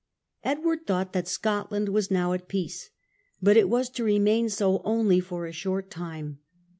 Edward thought that Scotland was now at peace. But it was to remain so only for a short time.